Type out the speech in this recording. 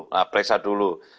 nah periksa dulu